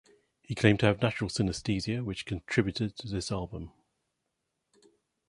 He claimed to have natural synaesthesia, which contributed to this album.